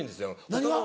何が？